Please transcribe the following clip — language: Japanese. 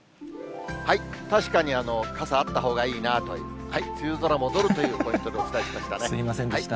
確かに傘、あったほうがいいなという、梅雨空戻るというポイントでお伝えしましたね。